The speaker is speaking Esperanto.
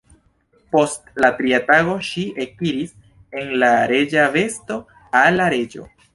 Post la tria tago ŝi ekiris en la reĝa vesto al la reĝo.